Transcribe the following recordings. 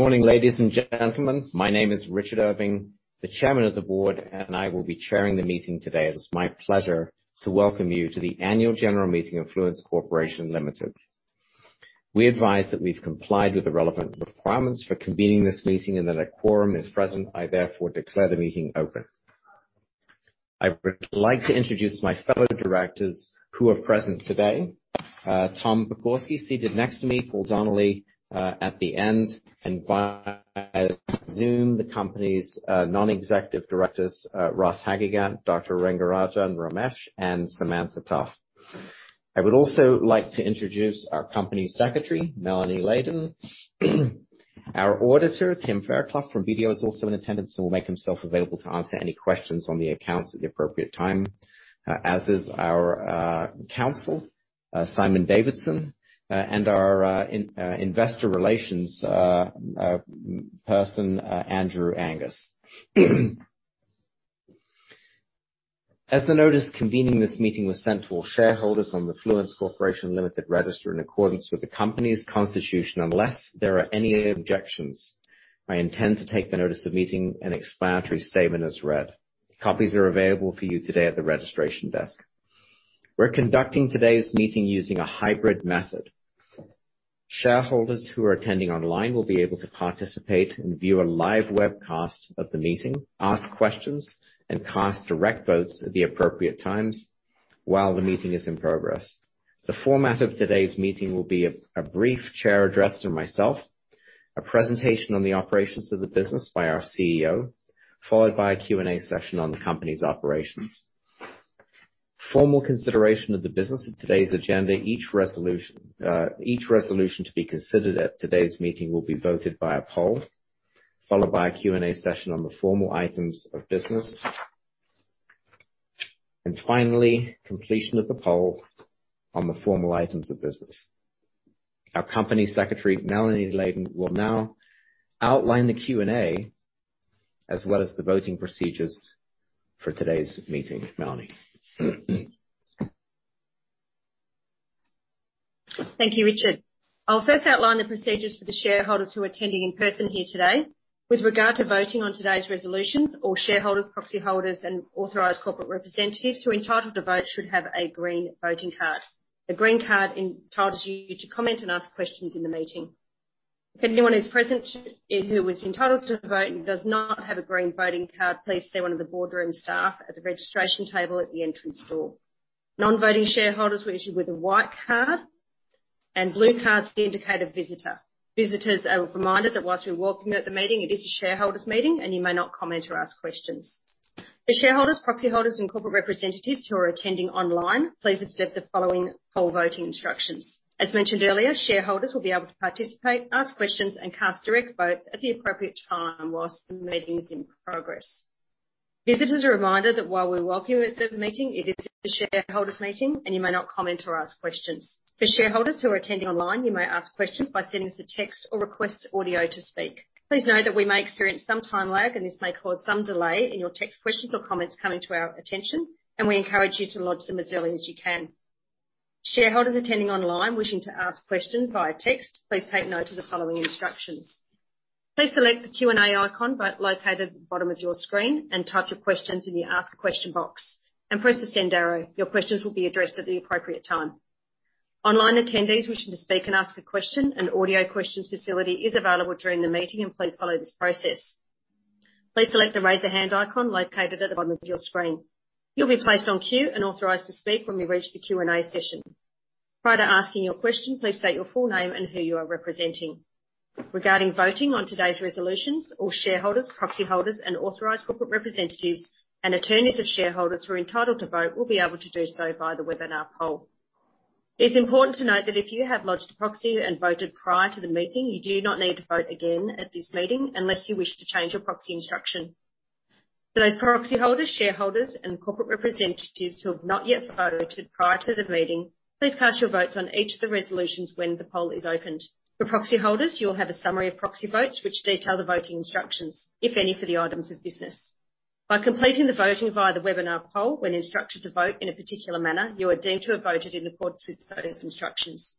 Good morning, ladies and gentlemen. My name is Richard Irving, the Chairman of the board, and I will be chairing the meeting today. It is my pleasure to welcome you to the Annual General Meeting of Fluence Corporation Limited. We advise that we've complied with the relevant requirements for convening this meeting and that a quorum is present. I therefore declare the meeting open. I would like to introduce my fellow directors who are present today, Tom Pokorsky, seated next to me, Paul Donnelly, at the end, and via Zoom, the company's, Non-Executive Directors, Ross Haghighat, Dr. Rengarajan Ramesh, and Samantha Tough. I would also like to introduce our Company Secretary, Melanie Leydin. Our auditor, Tim Fairclough from BDO, is also in attendance and will make himself available to answer any questions on the accounts at the appropriate time. As is our Counsel, Simon Davidson, and our investor relations person, Andrew Angus. As the notice convening this meeting was sent to all shareholders on the Fluence Corporation Limited register in accordance with the company's constitution, unless there are any objections, I intend to take the notice of meeting and explanatory statement as read. Copies are available for you today at the registration desk. We're conducting today's meeting using a hybrid method. Shareholders who are attending online will be able to participate and view a live webcast of the meeting, ask questions, and cast direct votes at the appropriate times while the meeting is in progress. The format of today's meeting will be a brief chair address from myself, a presentation on the operations of the business by our CEO, followed by a Q&A session on the company's operations. Formal consideration of the business of today's agenda, each resolution to be considered at today's meeting will be voted by a poll, followed by a Q&A session on the formal items of business. Finally, completion of the poll on the formal items of business. Our Company Secretary, Melanie Leydin, will now outline the Q&A as well as the voting procedures for today's meeting. Melanie. Thank you, Richard. I'll first outline the procedures for the shareholders who are attending in person here today. With regard to voting on today's resolutions, all shareholders, proxy holders, and authorized corporate representatives who are entitled to vote should have a green voting card. The green card entitles you to comment and ask questions in the meeting. If anyone is present who is entitled to vote and does not have a green voting card, please see one of the boardroom staff at the registration table at the entrance door. Non-voting shareholders were issued with a white card, and blue cards indicate a visitor. Visitors are reminded that while we welcome you at the meeting, it is a shareholders' meeting and you may not comment or ask questions. The shareholders, proxy holders and corporate representatives who are attending online, please accept the following poll voting instructions. As mentioned earlier, shareholders will be able to participate, ask questions, and cast direct votes at the appropriate time while the meeting is in progress. Visitors are reminded that while we welcome you at the meeting, it is a shareholders' meeting and you may not comment or ask questions. For shareholders who are attending online, you may ask questions by sending us a text or request audio to speak. Please note that we may experience some time lag, and this may cause some delay in your text questions or comments coming to our attention, and we encourage you to lodge them as early as you can. Shareholders attending online wishing to ask questions via text, please take note of the following instructions. Please select the Q&A icon located at the bottom of your screen and type your questions in the "Ask a Question" box and press the send arrow. Your questions will be addressed at the appropriate time. Online attendees wishing to speak and ask a question, an audio questions facility is available during the meeting, and please follow this process. Please select the "Raise a Hand" icon located at the bottom of your screen. You'll be placed on queue and authorized to speak when we reach the Q&A session. Prior to asking your question, please state your full name and who you are representing. Regarding voting on today's resolutions, all shareholders, proxy holders and authorized corporate representatives and attorneys of shareholders who are entitled to vote will be able to do so via the webinar poll. It's important to note that if you have lodged a proxy and voted prior to the meeting, you do not need to vote again at this meeting unless you wish to change your proxy instruction. For those proxy holders, shareholders and corporate representatives who have not yet voted prior to the meeting, please cast your votes on each of the resolutions when the poll is opened. For proxy holders, you will have a summary of proxy votes which detail the voting instructions, if any, for the items of business. By completing the voting via the webinar poll, when instructed to vote in a particular manner, you are deemed to have voted in accordance with those instructions.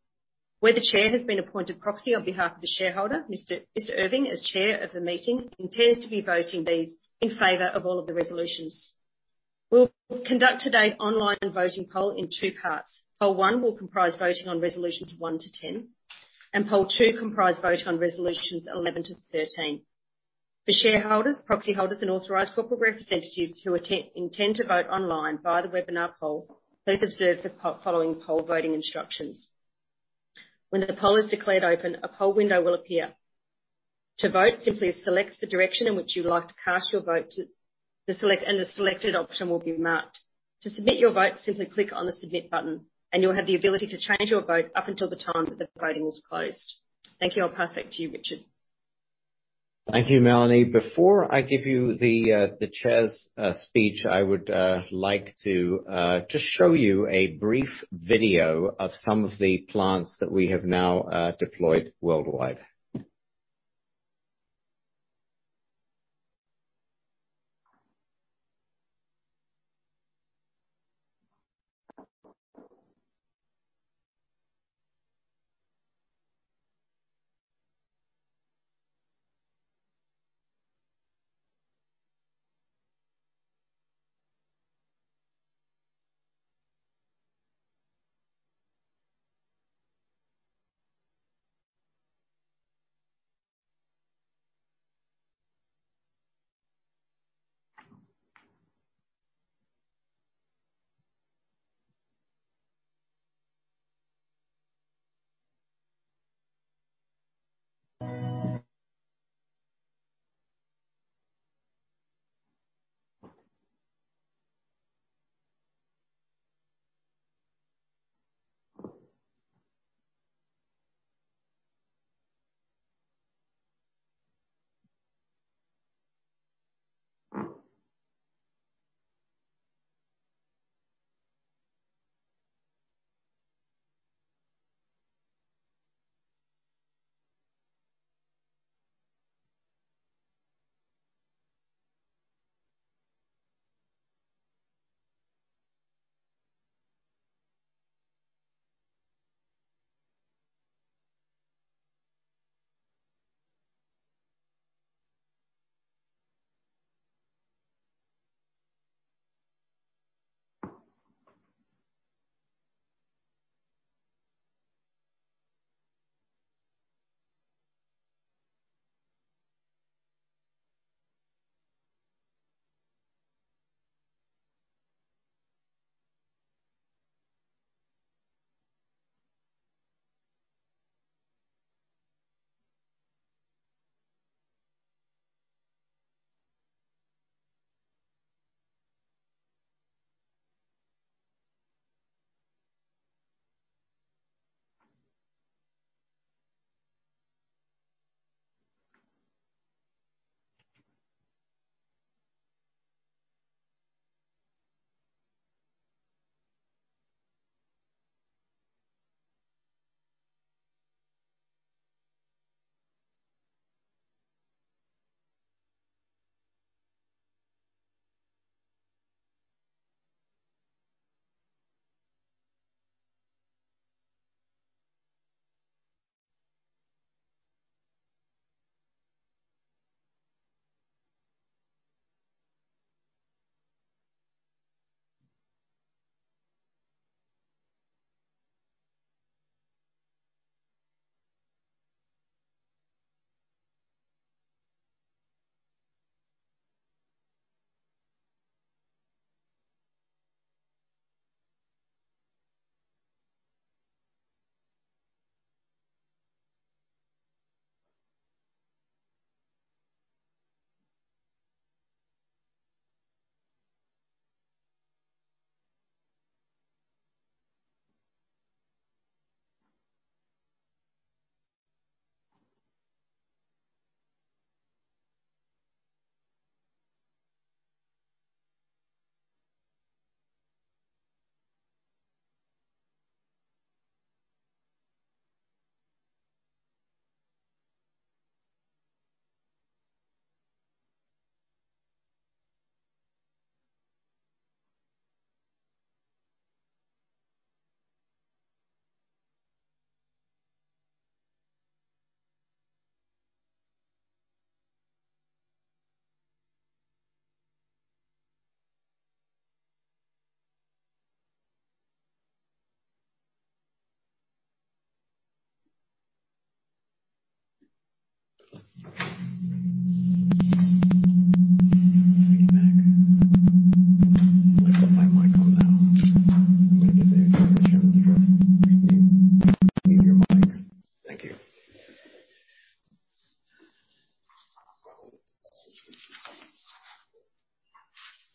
Where the chair has been appointed proxy on behalf of the shareholder, Mr. Irving, as Chair of the meeting, intends to be voting these in favor of all of the resolutions. We'll conduct today's online voting poll in two parts. Poll 1 will comprise voting on Resolutions 1 to 10, and poll 2 comprise voting on Resolutions 11 to 13. For shareholders, proxy holders and authorized corporate representatives who intend to vote online via the webinar poll, please observe the following poll voting instructions. When the poll is declared open, a poll window will appear. To vote, simply select the direction in which you'd like to cast your vote to select, and the selected option will be marked. To submit your vote, simply click on the Submit button and you'll have the ability to change your vote up until the time that the voting is closed. Thank you. I'll pass back to you, Richard. Thank you, Melanie. Before I give you the Chair's speech, I would like to just show you a brief video of some of the plants that we have now deployed worldwide.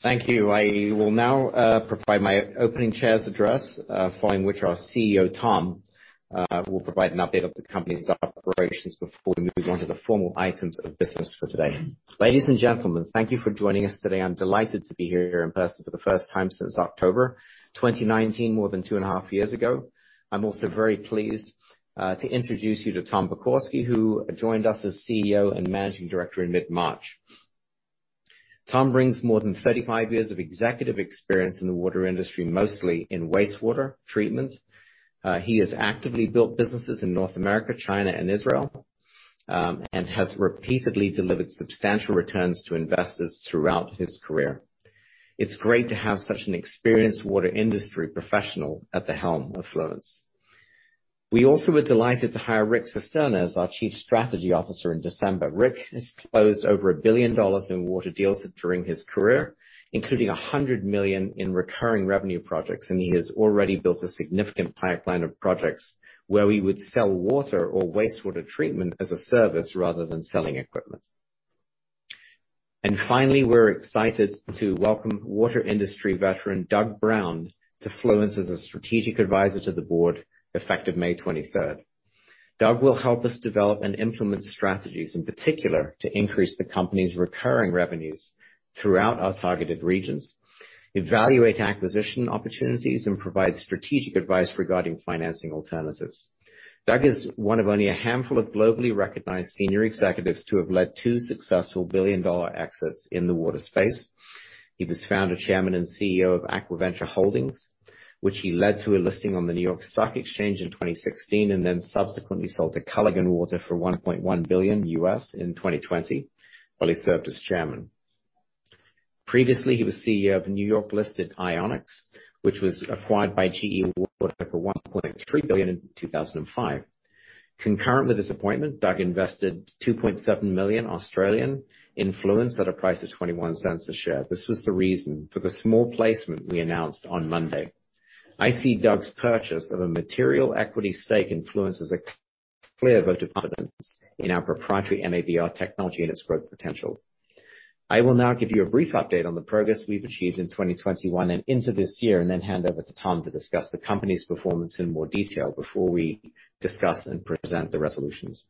Thank you. I will now provide my opening Chair's address, following which our CEO, Tom, will provide an update of the company's operations before we move on to the formal items of business for today. Ladies and gentlemen, thank you for joining us today. I'm delighted to be here in person for the first time since October 2019, more than two and a half years ago. I'm also very pleased to introduce you to Tom Pokorsky, who joined us as CEO and Managing Director in mid-March. Tom brings more than 35 years of executive experience in the water industry, mostly in wastewater treatment. He has actively built businesses in North America, China, and Israel, and has repeatedly delivered substantial returns to investors throughout his career. It's great to have such an experienced water industry professional at the helm of Fluence. We also were delighted to hire Rick Cisterna as our Chief Strategy Officer in December. Rick has closed over $1 billion in water deals during his career, including $100 million in recurring revenue projects, and he has already built a significant pipeline of projects where we would sell water or wastewater treatment as a service rather than selling equipment. Finally, we're excited to welcome water industry veteran, Doug Brown, to Fluence as a Strategic Advisor to the Board effective May 23. Doug will help us develop and implement strategies, in particular, to increase the company's recurring revenues throughout our targeted regions, evaluate acquisition opportunities, and provide strategic advice regarding financing alternatives. Doug is one of only a handful of globally recognized senior executives to have led two successful billion-dollar exits in the water space. He was Founder, Chairman, and CEO of AquaVenture Holdings, which he led to a listing on the New York Stock Exchange in 2016 and then subsequently sold to Culligan for $1.1 billion in 2020, while he served as Chairman. Previously, he was CEO of New York-listed Ionics, which was acquired by GE Water for $1.3 billion in 2005. Concurrently with his appointment, Doug invested 2.7 million in Fluence at a price of 0.21 a share. This was the reason for the small placement we announced on Monday. I see Doug's purchase of a material equity stake in Fluence as a clear vote of confidence in our proprietary MABR technology and its growth potential. I will now give you a brief update on the progress we've achieved in 2021 and into this year, and then hand over to Tom to discuss the company's performance in more detail before we discuss and present the resolutions.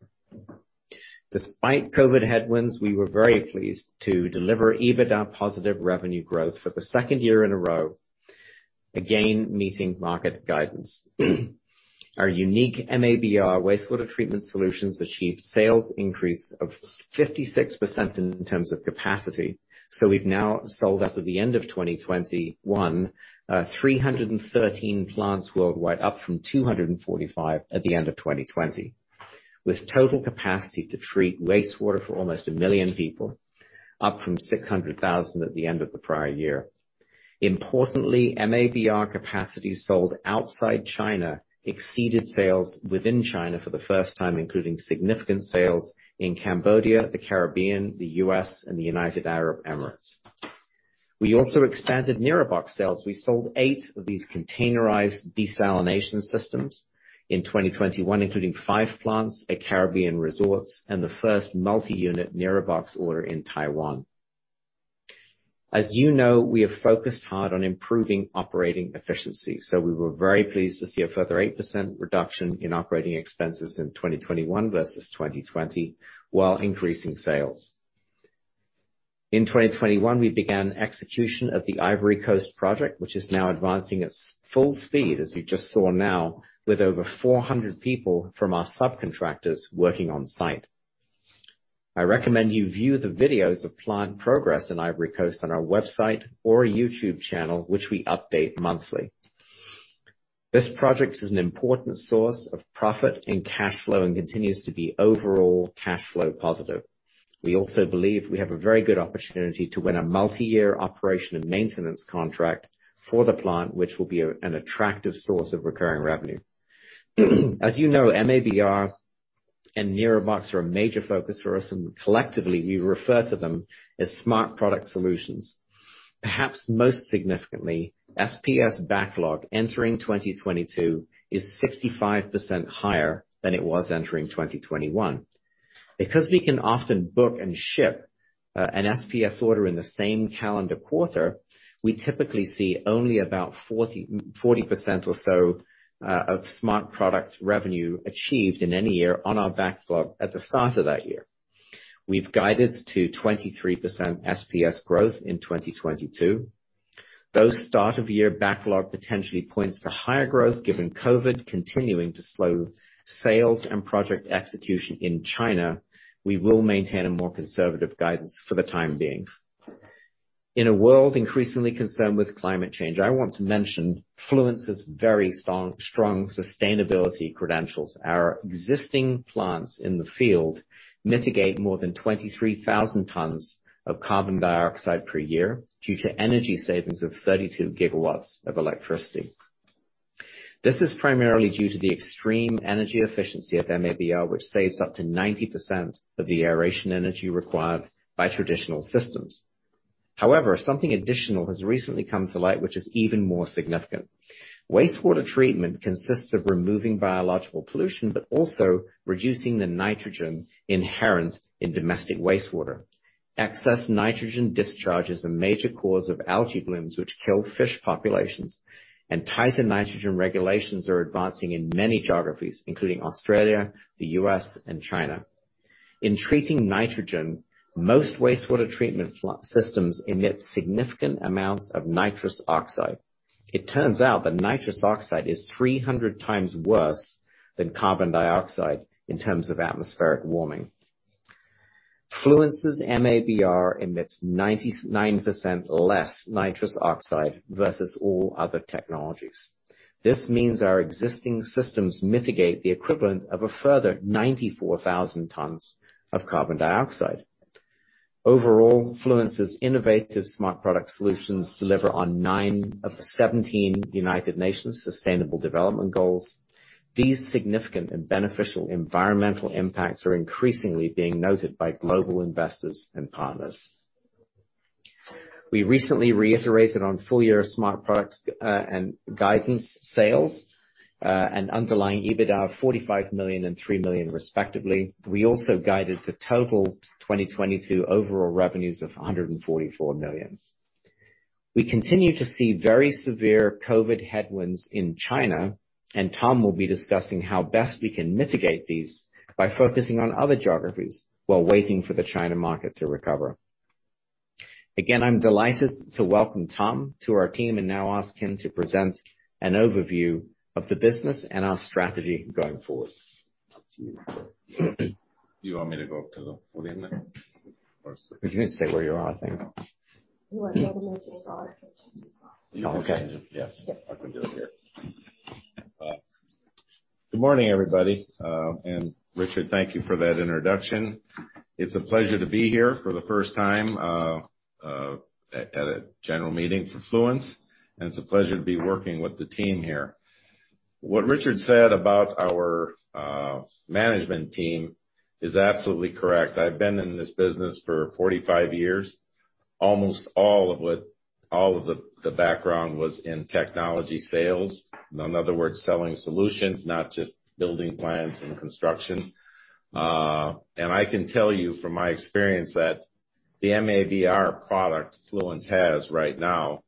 Despite COVID headwinds, we were very pleased to deliver EBITDA positive revenue growth for the second year in a row. Again, meeting market guidance. Our unique MABR wastewater treatment solutions achieved sales increase of 56% in terms of capacity. We've now sold, as of the end of 2021, 313 plants worldwide, up from 245 at the end of 2020, with total capacity to treat wastewater for almost 1 million people, up from 600,000 at the end of the prior year. Importantly, MABR capacity sold outside China exceeded sales within China for the first time, including significant sales in Cambodia, the Caribbean, the U.S., and the United Arab Emirates. We also expanded NIROBOX sales. We sold eight of these containerized desalination systems in 2021, including five plants at Caribbean Resorts and the first multi-unit NIROBOX order in Taiwan. As you know, we have focused hard on improving operating efficiency, so we were very pleased to see a further 8% reduction in operating expenses in 2021 versus 2020 while increasing sales. In 2021, we began execution of the Ivory Coast project, which is now advancing at full speed, as you just saw now, with over 400 people from our subcontractors working on site. I recommend you view the videos of plant progress in Ivory Coast on our website or YouTube channel, which we update monthly. This project is an important source of profit and cash flow and continues to be overall cash flow positive. We also believe we have a very good opportunity to win a multiyear operation and maintenance contract for the plant, which will be an attractive source of recurring revenue. As you know, MABR and NIROBOX are a major focus for us, and collectively, we refer to them as Smart Product Solutions. Perhaps most significantly, SPS backlog entering 2022 is 65% higher than it was entering 2021. Because we can often book and ship an SPS order in the same calendar quarter, we typically see only about 40% or so of Smart Product revenue achieved in any year on our backlog at the start of that year. We've guided to 23% SPS growth in 2022. Though start of year backlog potentially points to higher growth, given COVID continuing to slow sales and project execution in China, we will maintain a more conservative guidance for the time being. In a world increasingly concerned with climate change, I want to mention Fluence's very strong sustainability credentials. Our existing plants in the field mitigate more than 23,000 tons of carbon dioxide per year due to energy savings of 32 GW of electricity. This is primarily due to the extreme energy efficiency of MABR, which saves up to 90% of the aeration energy required by traditional systems. However, something additional has recently come to light, which is even more significant. Wastewater treatment consists of removing biological pollution, but also reducing the nitrogen inherent in domestic wastewater. Excess nitrogen discharge is a major cause of algae blooms, which kill fish populations, and tighter nitrogen regulations are advancing in many geographies, including Australia, the U.S., and China. In treating nitrogen, most wastewater treatment systems emit significant amounts of nitrous oxide. It turns out that nitrous oxide is 300 times worse than carbon dioxide in terms of atmospheric warming. Fluence's MABR emits 99% less nitrous oxide versus all other technologies. This means our existing systems mitigate the equivalent of a further 94,000 tons of carbon dioxide. Overall, Fluence's innovative Smart Product Solutions deliver on nine of the 17 United Nations Sustainable Development Goals. These significant and beneficial environmental impacts are increasingly being noted by global investors and partners. We recently reiterated on full year Smart Products and guidance sales and underlying EBITDA of $45 million and $3 million, respectively. We also guided to total 2022 overall revenues of $144 million. We continue to see very severe COVID headwinds in China, and Tom will be discussing how best we can mitigate these by focusing on other geographies while waiting for the China market to recover. I'm delighted to welcome Tom to our team and now ask him to present an overview of the business and our strategy going forward. You want me to go up to the podium in there? If you can stay where you are, I think. Okay. Yes. Yeah. I can do it here. Good morning, everybody. Richard, thank you for that introduction. It's a pleasure to be here for the first time, at a general meeting for Fluence, and it's a pleasure to be working with the team here. What Richard said about our management team is absolutely correct. I've been in this business for 45 years. Almost all of the background was in technology sales. In other words, selling solutions, not just building plants and construction. I can tell you from my experience that the MABR product Fluence has right now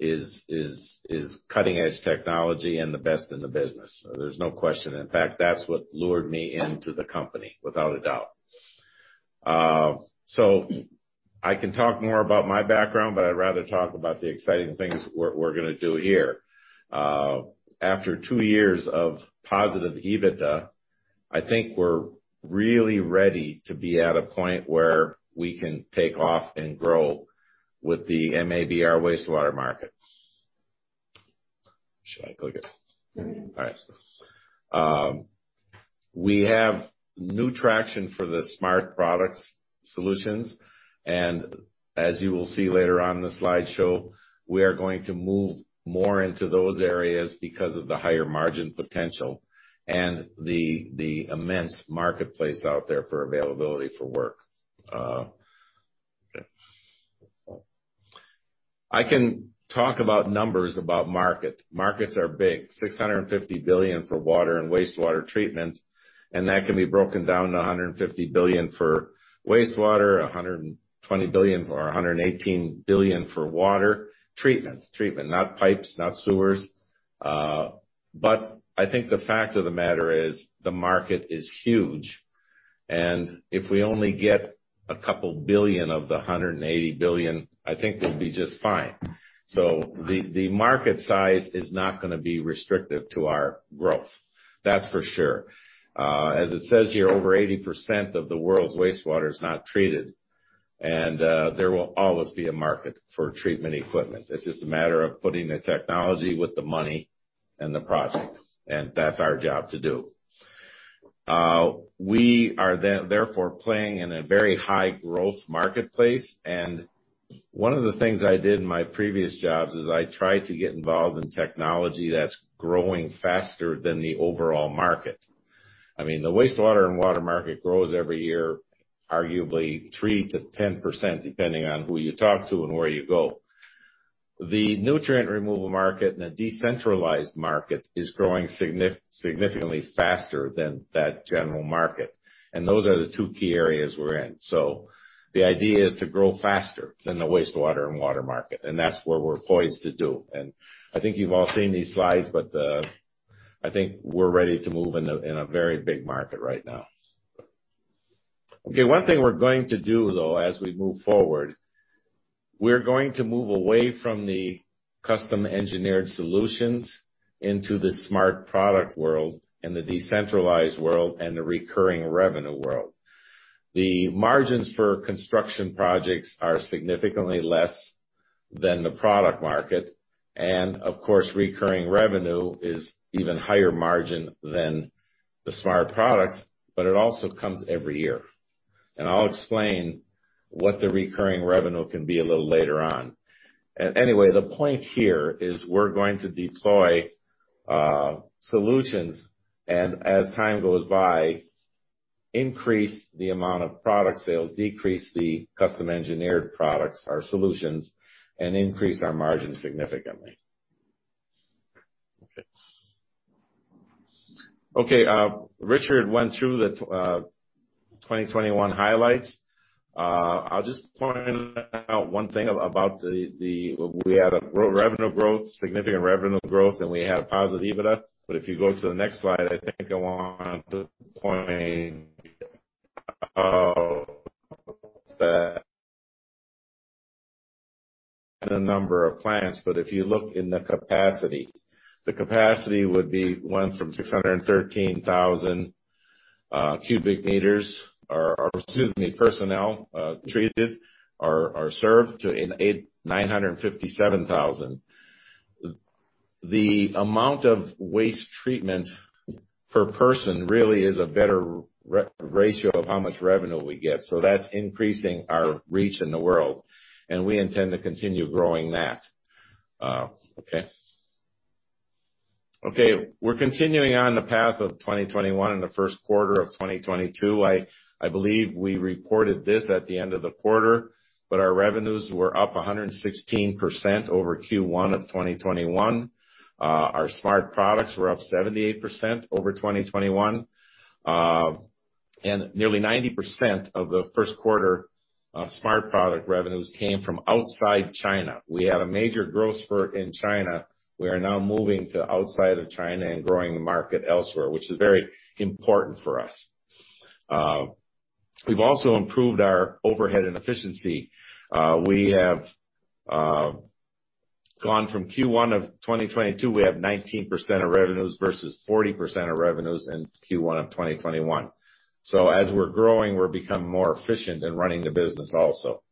is cutting-edge technology and the best in the business. There's no question. In fact, that's what lured me into the company, without a doubt. I can talk more about my background, but I'd rather talk about the exciting things we're gonna do here. After two years of positive EBITDA, I think we're really ready to be at a point where we can take off and grow with the MABR wastewater market. Should I click it? Mm-hmm. All right. We have new traction for the Smart Product Solutions, and as you will see later on in the slideshow, we are going to move more into those areas because of the higher margin potential and the immense marketplace out there for availability for work. I can talk about numbers about market. Markets are big, $650 billion for water and wastewater treatment, and that can be broken down to $150 billion for wastewater, $120 billion or $118 billion for water treatment. Treatment, not pipes, not sewers. But I think the fact of the matter is the market is huge, and if we only get a couple billion of the $180 billion, I think we'll be just fine. The market size is not gonna be restrictive to our growth. That's for sure. As it says here, over 80% of the world's wastewater is not treated, and there will always be a market for treatment equipment. It's just a matter of putting the technology with the money and the project, and that's our job to do. We are then therefore playing in a very high growth marketplace, and one of the things I did in my previous jobs is I tried to get involved in technology that's growing faster than the overall market. I mean, the wastewater and water market grows every year, arguably 3%-10%, depending on who you talk to and where you go. The nutrient removal market and the decentralized market is growing significantly faster than that general market, and those are the two key areas we're in. The idea is to grow faster than the wastewater and water market, and that's what we're poised to do. I think you've all seen these slides, but I think we're ready to move in a very big market right now. Okay. One thing we're going to do, though, as we move forward, we're going to move away from the custom-engineered solutions into the smart product world and the decentralized world and the recurring revenue world. The margins for construction projects are significantly less than the product market, and of course, recurring revenue is even higher margin than the smart products, but it also comes every year. I'll explain what the recurring revenue can be a little later on. Anyway, the point here is we're going to deploy solutions, and as time goes by, increase the amount of product sales, decrease the custom engineered products or solutions, and increase our margin significantly. Okay. Richard went through the 2021 highlights. I'll just point out one thing about the—we had a revenue growth, significant revenue growth, and we had positive EBITDA. If you go to the next slide, I think I want to point out that the number of plants, but if you look in the capacity, the capacity would be from 613,000 cu m, or excuse me, personnel treated or served to 957,000. The amount of waste treatment per person really is a better ratio of how much revenue we get, so that's increasing our reach in the world, and we intend to continue growing that. Okay, we're continuing on the path of 2021 and the first quarter of 2022. I believe we reported this at the end of the quarter, but our revenues were up 116% over Q1 of 2021. Our Smart Products were up 78% over 2021. Nearly 90% of the first quarter Smart Product revenues came from outside China. We had a major growth spurt in China. We are now moving to outside of China and growing the market elsewhere, which is very important for us. We've also improved our overhead and efficiency. We have gone from Q1 of 2022, we have 19% of revenues versus 40% of revenues in Q1 of 2021. As we're growing, we're becoming more efficient in running the business also.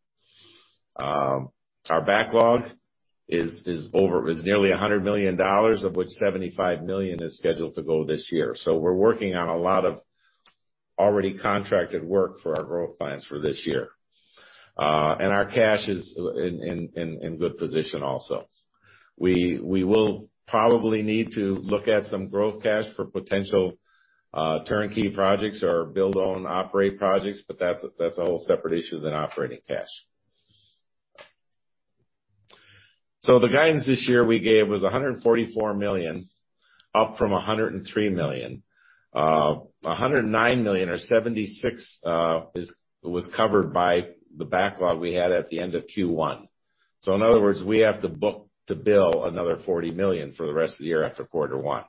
Our backlog is nearly $100 million, of which $75 million is scheduled to go this year. We're working on a lot of already contracted work for our growth plans for this year. Our cash is in good position also. We will probably need to look at some growth cash for potential turnkey projects or build-own-operate projects, but that's a whole separate issue than operating cash. So the guidance this year we gave was $144 million, up from $103 million. $109 million or $76 million was covered by the backlog we had at the end of Q1. In other words, we have to book-to-bill another $40 million for the rest of the year after quarter one.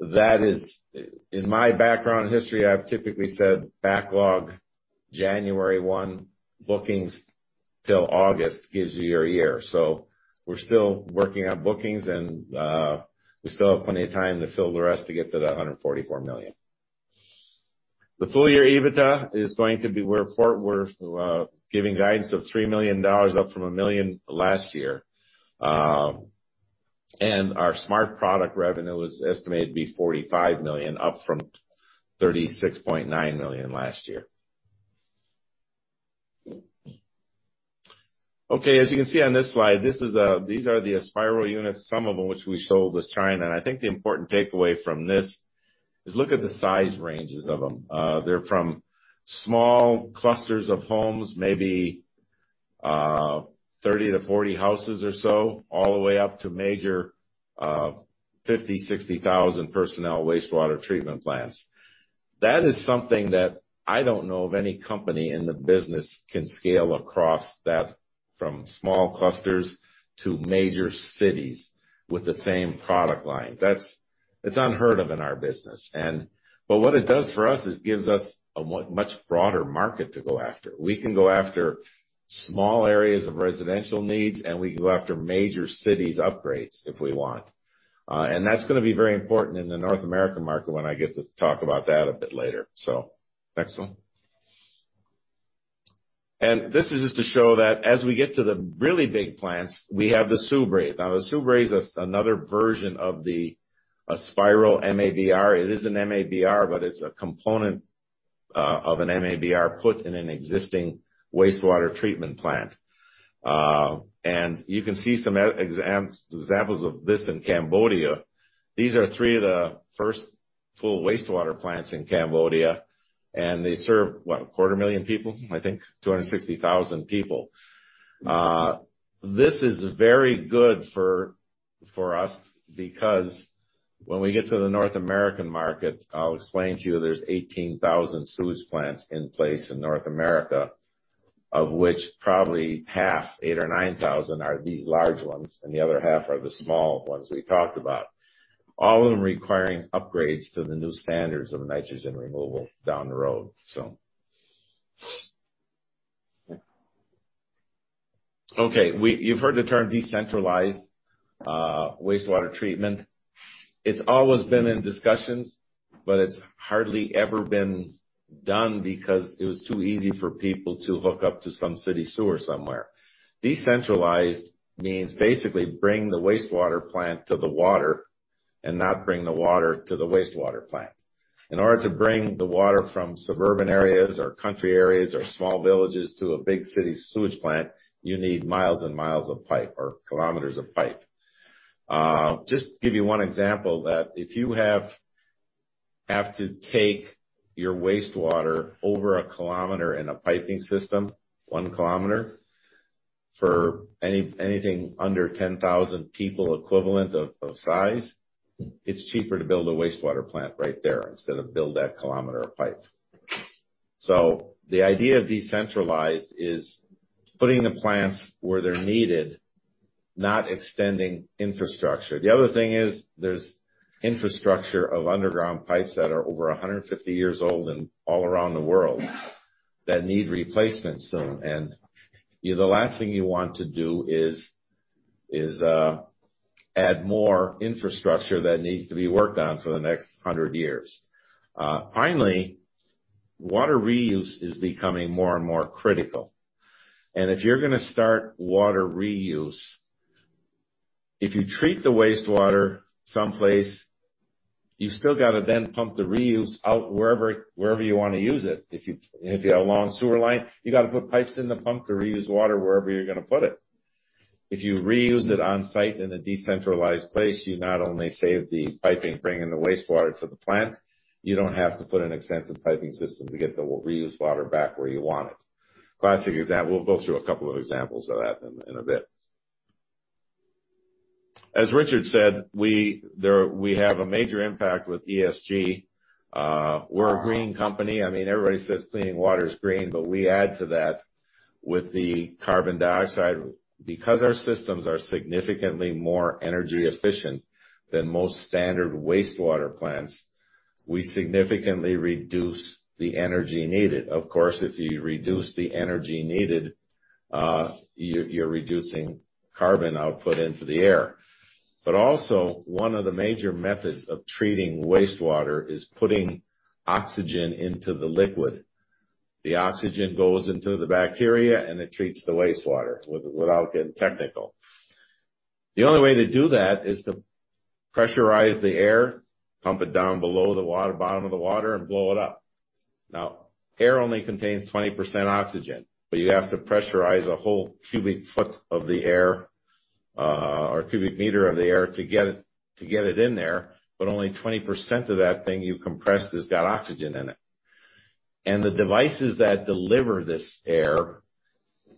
In my background history, I've typically said backlog January 1, bookings till August gives you your year. We're still working on bookings, and we still have plenty of time to fill the rest to get to that $144 million. The full year EBITDA is going to be—we're giving guidance of $3 million, up from $1 million last year. Our Smart Product revenue is estimated to be $45 million, up from $36.9 million last year. Okay, as you can see on this slide, this is, these are the Aspiral units, some of which we sold in China. I think the important takeaway from this is look at the size ranges of them. They're from small clusters of homes, maybe, 30 to 40 houses or so, all the way up to major, 50,000 to 60,000 personnel wastewater treatment plants. That is something that I don't know of any company in the business can scale across that from small clusters to major cities with the same product line. That's—it's unheard of in our business. What it does for us is gives us a much broader market to go after. We can go after small areas of residential needs, and we can go after major cities upgrades if we want. That's gonna be very important in the North American market when I get to talk about that a bit later. Next one. This is just to show that as we get to the really big plants, we have the SUBRE. Now, the SUBRE is another version of the Aspiral MABR. It is an MABR, but it's a component of an MABR put in an existing wastewater treatment plant. You can see some examples of this in Cambodia. These are three of the first full wastewater plants in Cambodia, and they serve, what? 250 million people, I think. 260,000 people. This is very good for us because when we get to the North American market, I'll explain to you, there's 18,000 sewage plants in place in North America, of which probably half, 8,000 or 9,000 are these large ones, and the other half are the small ones we talked about. All of them requiring upgrades to the new standards of nitrogen removal down the road. You've heard the term decentralized wastewater treatment. It's always been in discussions, but it's hardly ever been done because it was too easy for people to hook up to some city sewer somewhere. Decentralized means basically bring the wastewater plant to the water and not bring the water to the wastewater plant. In order to bring the water from suburban areas or country areas or small villages to a big city's sewage plant, you need miles and miles of pipe or kilometers of pipe. Just to give you one example that if you have to take your wastewater over a kilometer in a piping system for anything under 10,000 people equivalent of size, it's cheaper to build a wastewater plant right there instead of build that kilometer of pipe. The idea of decentralized is putting the plants where they're needed, not extending infrastructure. The other thing is there's infrastructure of underground pipes that are over 150 years old and all around the world that need replacement soon. The last thing you want to do is add more infrastructure that needs to be worked on for the next 100 years. Finally, water reuse is becoming more and more critical. If you're gonna start water reuse, if you treat the wastewater someplace, you still gotta then pump the reuse out wherever you wanna use it. If you have a long sewer line, you gotta put pipes in and pump to reuse water wherever you're gonna put it. If you reuse it on-site in a decentralized place, you not only save the piping, bringing the wastewater to the plant, you don't have to put an extensive piping system to get the reused water back where you want it. Classic example. We'll go through a couple of examples of that in a bit. As Richard said, we have a major impact with ESG. We're a green company. I mean, everybody says cleaning water is green, but we add to that with the carbon dioxide. Because our systems are significantly more energy efficient than most standard wastewater plants. We significantly reduce the energy needed. Of course, if you reduce the energy needed, you're reducing carbon output into the air. But also, one of the major methods of treating wastewater is putting oxygen into the liquid. The oxygen goes into the bacteria, and it treats the wastewater, without getting technical. The only way to do that is to pressurize the air, pump it down below the water bottom of the water, and blow it up. Now, air only contains 20% oxygen, but you have to pressurize a whole cubic foot of the air or cubic meter of the air to get it, to get it in there, but only 20% of that thing you compressed has got oxygen in it. The devices that deliver this air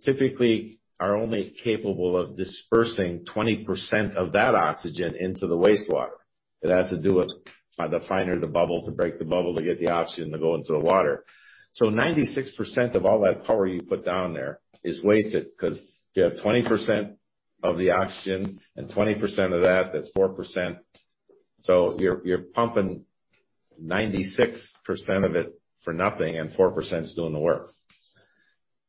typically are only capable of dispersing 20% of that oxygen into the wastewater. It has to do with the finer the bubble, to break the bubble, to get the oxygen to go into the water. So 96% of all that power you put down there is wasted because you have 20% of the oxygen and 20% of that's 4%. You're pumping 96% of it for nothing, and 4% is doing the work.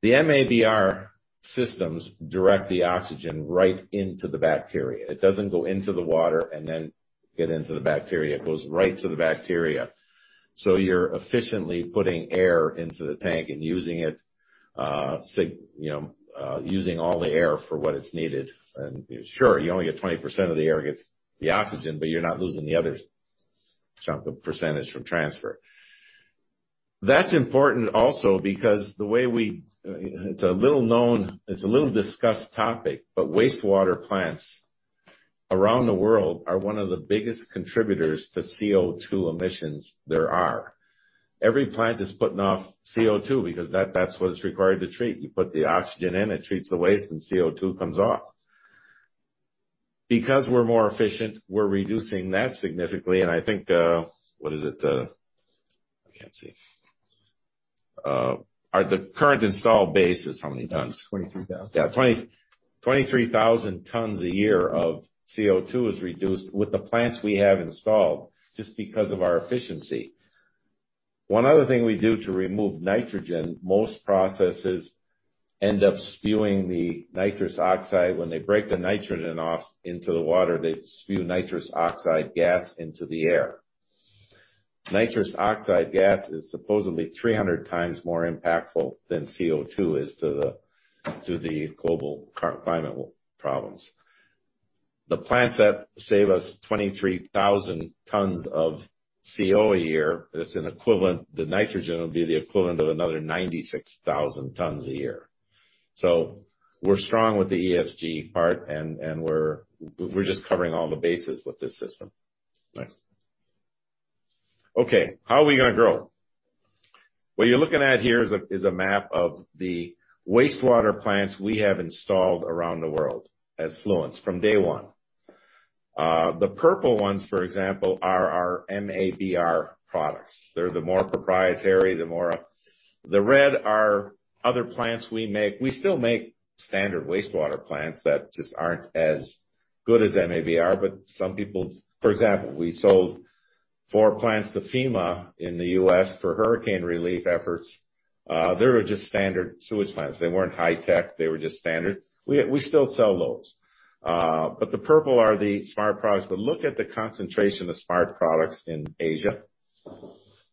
The MABR systems direct the oxygen right into the bacteria. It doesn't go into the water and then get into the bacteria. It goes right to the bacteria. You're efficiently putting air into the tank and using it, you know, using all the air for what it's needed. Sure, you only get 20% of the air gets the oxygen, but you're not losing the other chunk of percentage from transfer. That's important also because it's a little-known, little-discussed topic, but wastewater plants around the world are one of the biggest contributors to CO2 emissions there are. Every plant is putting off CO2, because that's what it's required to treat. You put the oxygen in, it treats the waste, and CO2 comes off. Because we're more efficient, we're reducing that significantly, and I think, what is it? I can't see. The current installed base is how many tons? 23,000. Yeah. 23,000 tons a year of CO2 is reduced with the plants we have installed just because of our efficiency. One other thing we do to remove nitrogen, most processes end up spewing the nitrous oxide. When they break the nitrogen off into the water, they spew nitrous oxide gas into the air. Nitrous oxide gas is supposedly 300 times more impactful than CO2 is to the global climate problems. The plants that save us 23,000 tons of CO2 a year, it's an equivalent, the nitrogen will be the equivalent of another 96,000 tons a year. We're strong with the ESG part, and we're just covering all the bases with this system. Next. Okay, how are we gonna grow? What you're looking at here is a map of the wastewater plants we have installed around the world as Fluence from day one. The purple ones, for example, are our MABR products. They're the more proprietary. The red are other plants we make. We still make standard wastewater plants that just aren't as good as MABR, but some people. For example, we sold four plants to FEMA in the U.S. for hurricane relief efforts. They were just standard sewage plants. They weren't high tech. They were just standard. We still sell those. The purple are the Smart Products. Look at the concentration of Smart Products in Asia.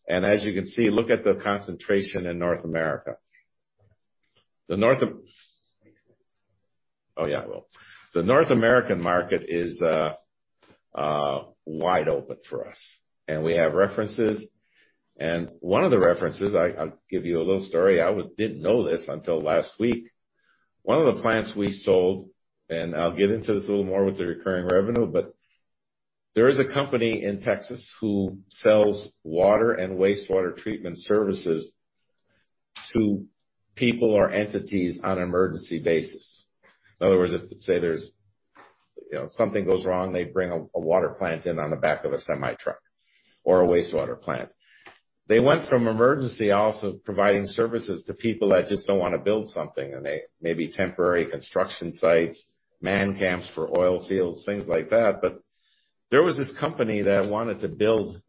As you can see, look at the concentration in North America. The North Am— Well, the North American market is wide open for us, and we have references. One of the references, I'll give you a little story. I didn't know this until last week. One of the plants we sold, and I'll get into this a little more with the recurring revenue, but there is a company in Texas who sells water and wastewater treatment services to people or entities on an emergency basis. In other words, if, say, there's, you know, something goes wrong, they bring a water plant in on the back of a semi-truck or a wastewater plant. They went from emergency also providing services to people that just don't wanna build something, and they maybe temporary construction sites. Man camps for oil fields, things like that but there was this company that wanted to build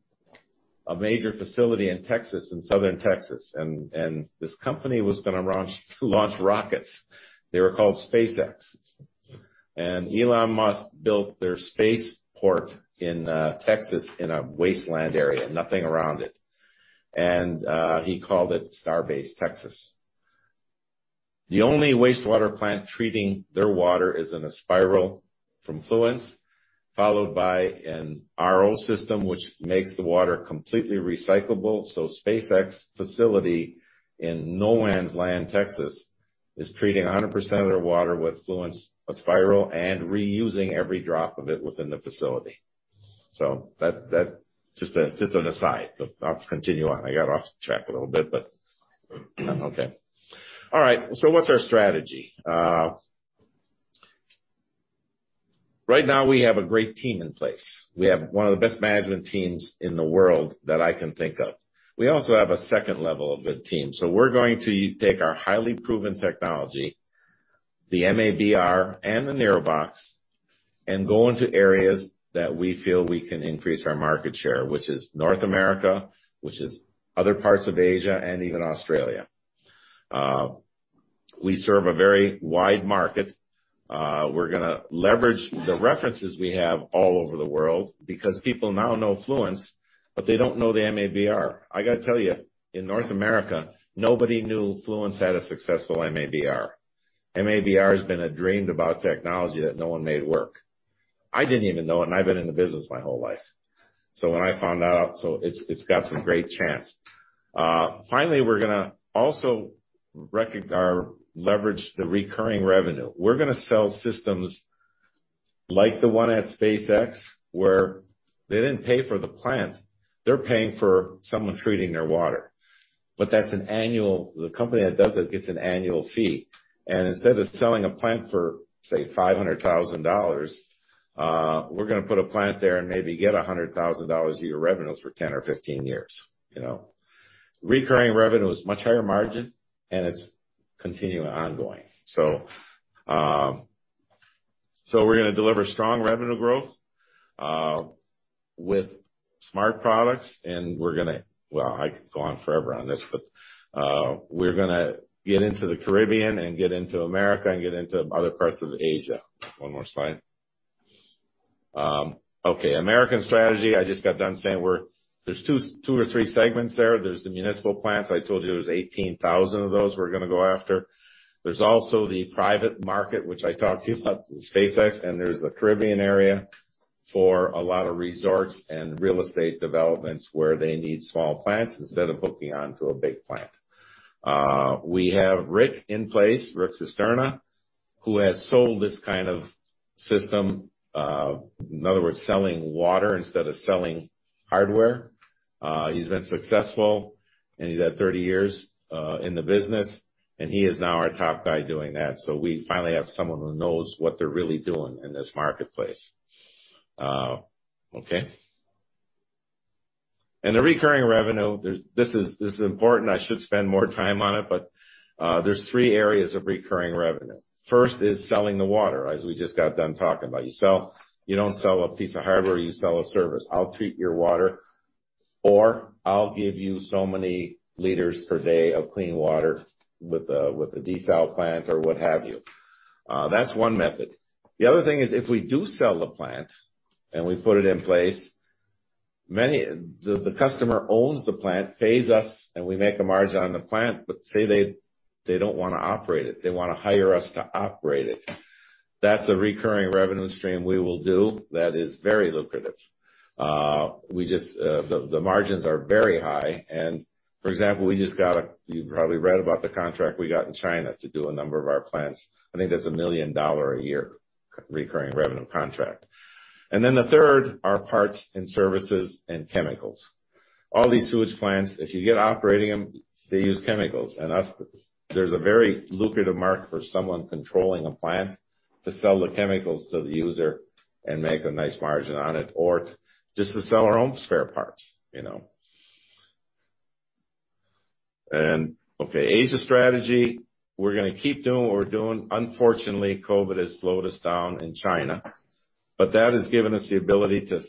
a major facility in Texas, in southern Texas. This company was gonna launch rockets. They were called SpaceX. Elon Musk built their spaceport in Texas in a wasteland area, nothing around it. He called it Starbase Texas. The only wastewater plant treating their water is an Aspiral from Fluence, followed by an RO system, which makes the water completely recyclable. SpaceX facility in no man's land, Texas, is treating 100% of their water with Fluence, an Aspiral, and reusing every drop of it within the facility. That just an aside. I'll continue on. I got off track a little bit, but okay. All right, what's our strategy? Right now we have a great team in place. We have one of the best management teams in the world that I can think of. We also have a second level of good teams. We're going to take our highly proven technology. The MABR and the NIROBOX, and go into areas that we feel we can increase our market share, which is North America, which is other parts of Asia and even Australia. We serve a very wide market. We're gonna leverage the references we have all over the world because people now know Fluence, but they don't know the MABR. I gotta tell you, in North America, nobody knew Fluence had a successful MABR. MABR has been a dreamed-about technology that no one made work. I didn't even know it, and I've been in the business my whole life. When I found that out, it's got some great chance. Finally, we're gonna also leverage the recurring revenue. We're gonna sell systems like the one at SpaceX, where they didn't pay for the plant. They're paying for someone treating their water. That's an annual fee the company that does it gets. Instead of selling a plant for, say, $500,000, we're gonna put a plant there and maybe get $100,000 a year revenues for 10 or 15 years, you know. Recurring revenue is much higher margin, and it's continuing ongoing. We're gonna deliver strong revenue growth with Smart Products, and Well, I could go on forever on this, but, we're gonna get into the Caribbean and get into America and get into other parts of Asia. One more slide. Okay, American strategy, I just got done saying there's two or three segments there. There's the municipal plants. I told you there's 18,000 of those we're gonna go after. There's also the private market, which I talked to you about, the SpaceX, and there's the Caribbean area for a lot of resorts and real estate developments where they need small plants instead of hooking on to a big plant. We have Rick in place, Rick Cisterna, who has sold this kind of system, in other words, selling water instead of selling hardware. He's been successful, and he's had 30 years in the business, and he is now our top guy doing that. We finally have someone who knows what they're really doing in this marketplace. The recurring revenue, this is important. I should spend more time on it, but there's three areas of recurring revenue. First is selling the water, as we just got done talking about. You don't sell a piece of hardware, you sell a service. I'll treat your water, or I'll give you so many liters per day of clean water with a desal plant or what have you. That's one method. The other thing is, if we do sell the plant and we put it in place, the customer owns the plant, pays us, and we make a margin on the plant, but say they don't wanna operate it. They wanna hire us to operate it. That's a recurring revenue stream we will do, that is very lucrative. The margins are very high. For example, we just got—you probably read about the contract we got in China to do a number of our plants. I think that's a $1 million-a-year recurring revenue contract. Then the third are parts and services and chemicals. All these sewage plants, if you get operating them, they use chemicals. As, there's a very lucrative market for someone controlling a plant to sell the chemicals to the user and make a nice margin on it or just to sell our own spare parts, you know. Okay, Asia strategy, we're gonna keep doing what we're doing. Unfortunately, COVID has slowed us down in China, but that has given us the ability to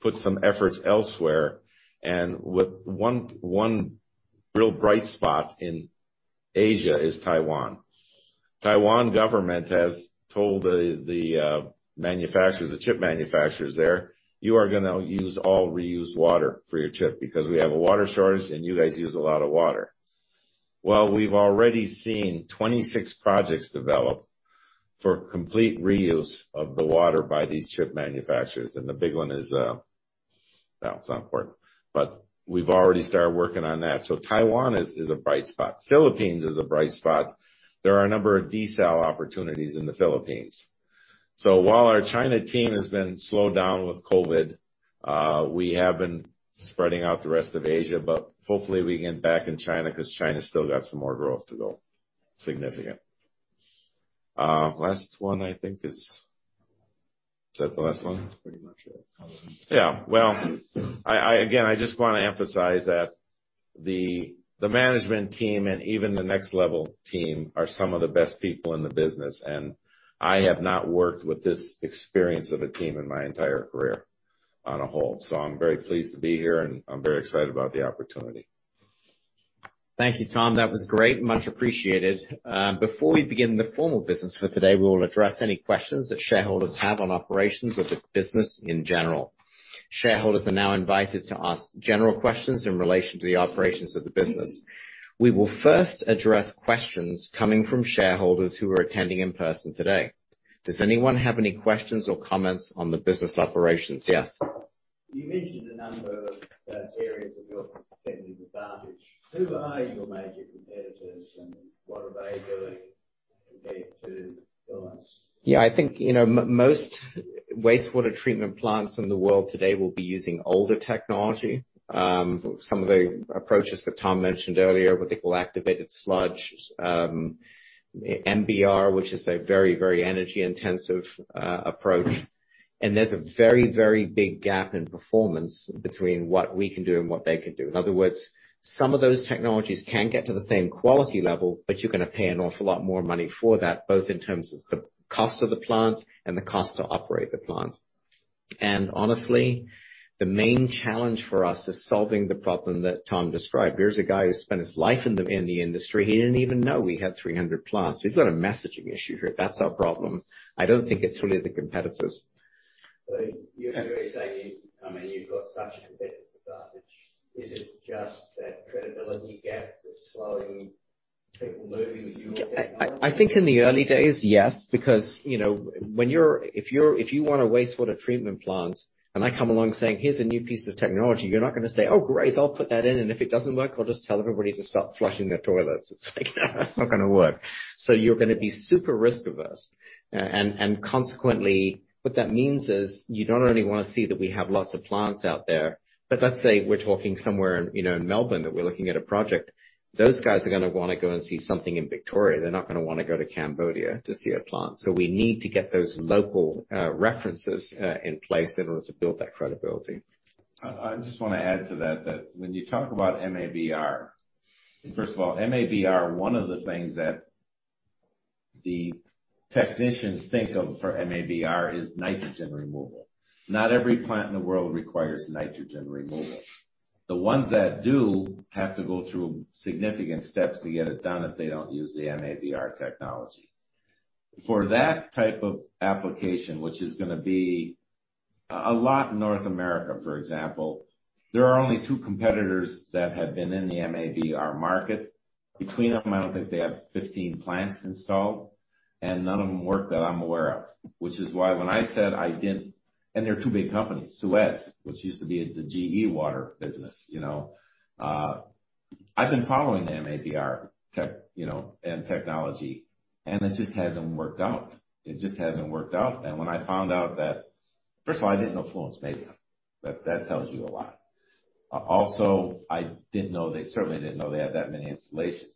put some efforts elsewhere. With one real bright spot in Asia is Taiwan. Taiwan government has told the manufacturers, the chip manufacturers there, "You are gonna use all reused water for your chip because we have a water shortage and you guys use a lot of water." Well, we've already seen 26 projects develop for complete reuse of the water by these chip manufacturers. The big one is, well, it's not important, but we've already started working on that. Taiwan is a bright spot. Philippines is a bright spot. There are a number of desal opportunities in the Philippines. While our China team has been slowed down with COVID, we have been spreading out the rest of Asia, but hopefully we get back in China 'cause China's still got some more growth to go. Significant. Last one I think is. Is that the last one? That's pretty much it. Yeah. Well, I again just wanna emphasize that the management team and even the next level team are some of the best people in the business, and I have not worked with this experienced team in my entire career as a whole. I'm very pleased to be here, and I'm very excited about the opportunity. Thank you, Tom. That was great. Much appreciated. Before we begin the formal business for today, we will address any questions that shareholders have on operations of the business in general. Shareholders are now invited to ask general questions in relation to the operations of the business. We will first address questions coming from shareholders who are attending in person today. Does anyone have any questions or comments on the business operations? Yes. You mentioned a number of areas of your competitive advantage. Who are your major competitors, and what are they doing compared to Fluence? Yeah. I think, you know, most wastewater treatment plants in the world today will be using older technology. Some of the approaches that Tom mentioned earlier with conventional activated sludge, MBR, which is a very, very energy-intensive approach. There's a very, very big gap in performance between what we can do and what they can do. In other words, some of those technologies can get to the same quality level, but you're gonna pay an awful lot more money for that, both in terms of the cost of the plant and the cost to operate the plant. Honestly, the main challenge for us is solving the problem that Tom described. Here's a guy who spent his life in the industry, he didn't even know we had 300 plants. We've got a messaging issue here. That's our problem. I don't think it's really the competitors. You're really saying, I mean, you've got such a competitive advantage, is it just that credibility gap that's slowing people moving with you? I think in the early days, yes, because, you know, if you want a wastewater treatment plant, and I come along saying, "Here's a new piece of technology," you're not gonna say, "Oh, great. I'll put that in, and if it doesn't work, I'll just tell everybody to stop flushing their toilets." It's like, that's not gonna work. So you're gonna be super risk-averse. And consequently, what that means is, you don't only wanna see that we have lots of plants out there, but let's say we're talking somewhere in, you know, in Melbourne that we're looking at a project. Those guys are gonna wanna go and see something in Victoria. They're not gonna wanna go to Cambodia to see a plant. So we need to get those local references in place in order to build that credibility. I just wanna add to that when you talk about MABR, first of all, MABR, one of the things that the technicians think of for MABR is nitrogen removal. Not every plant in the world requires nitrogen removal. The ones that do have to go through significant steps to get it done if they don't use the MABR technology. For that type of application, which is gonna be a lot in North America, for example, there are only two competitors that have been in the MABR market. Between them, I don't think they have 15 plants installed, and none of them work that I'm aware of. Which is why when I said I didn't. They're two big companies, SUEZ, which used to be the GE Water business, you know. I've been following MABR tech, you know, and technology, and it just hasn't worked out. It just hasn't worked out. When I found out, first of all, I didn't know Fluence made them. That tells you a lot. Also, I didn't know, certainly didn't know they had that many installations.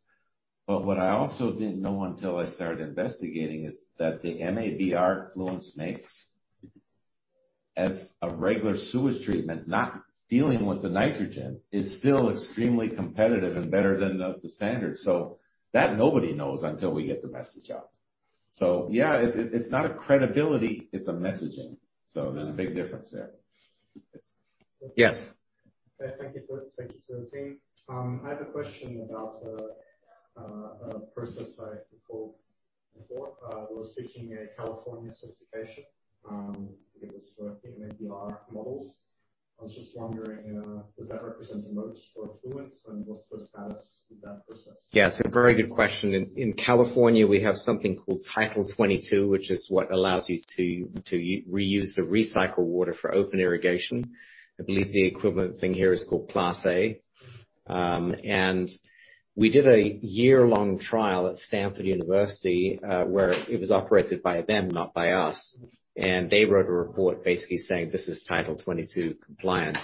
What I also didn't know until I started investigating is that the MABR Fluence makes, as a regular sewage treatment, not dealing with the nitrogen, is still extremely competitive and better than the standard. That nobody knows until we get the message out. So yeah, it's not a credibility, it's a messaging. There's a big difference there. Yes. Thank you. Thank you to the team. I have a question about a process I recall before. It was seeking a California certification because for MABR models. I was just wondering, does that represent a moat for Fluence, and what's the status of that process? Yeah, it's a very good question. In California, we have something called Title 22, which is what allows you to reuse the recycled water for open irrigation. I believe the equivalent thing here is called Class A. We did a year-long trial at Stanford University, where it was operated by them, not by us. They wrote a report basically saying, "This is Title 22 compliant."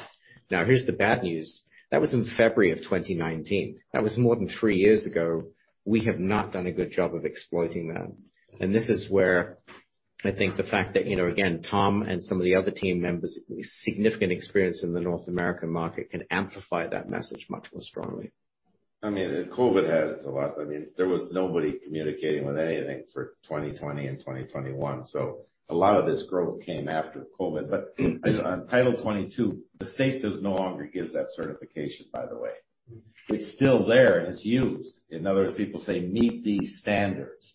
Now, here's the bad news. That was in February of 2019. That was more than three years ago. We have not done a good job of exploiting that. This is where I think the fact that, you know, again, Tom and some of the other team members with significant experience in the North American market can amplify that message much more strongly. I mean, COVID has a lot. I mean, there was nobody communicating with anything for 2020 and 2021. A lot of this growth came after COVID. On Title 22, the state does no longer give that certification, by the way. It's still there and it's used. In other words, people say, "Meet these standards."